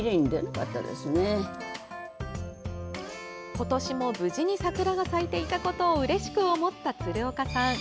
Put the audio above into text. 今年も無事に桜が咲いていたことをうれしく思った鶴岡さん。